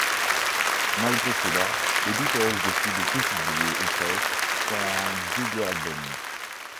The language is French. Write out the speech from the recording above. Malgré cela, les Beatles décident de tout publier ou presque, sur un double album.